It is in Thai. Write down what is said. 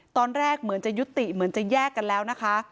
ตอนแรกเหมือนจะยุติเหมือนจะแยกกันแล้วนะคะ